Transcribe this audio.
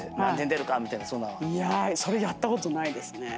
いやそれやったことないですね。